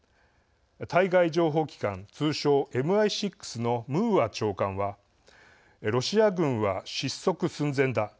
対外情報機関、通称ＭＩ６のムーア長官はロシア軍は失速寸前だ。